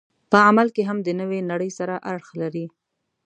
په عمل کې هم د نوې نړۍ سره اړخ لري.